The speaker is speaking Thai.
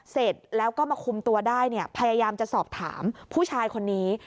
เสร็จแล้วก็มาคุมตัวได้เนี่ยพยายามจะสอบถามผู้ชายคนนี้